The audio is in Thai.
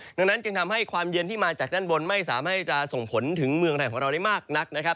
ดังนั้นจึงทำให้ความเย็นที่มาจากด้านบนไม่สามารถจะส่งผลถึงเมืองไทยของเราได้มากนักนะครับ